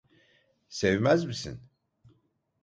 Sevmez misin?